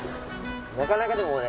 なかなかでもね。